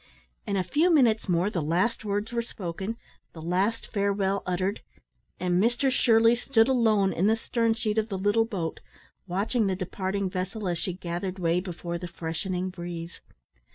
In a few minutes more the last words were spoken, the last farewell uttered, and Mr Shirley stood alone in the stern sheet of the little boat, watching the departing vessel as she gathered way before the freshening breeze.